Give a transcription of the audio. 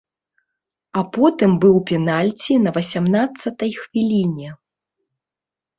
А потым быў пенальці на васямнаццатай хвіліне.